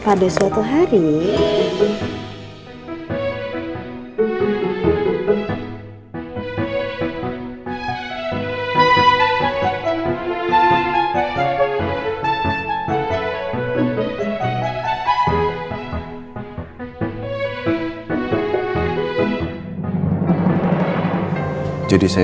pada suatu hari